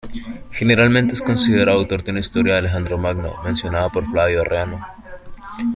Generalmente es considerado autor de una historia de Alejandro Magno mencionada por Flavio Arriano.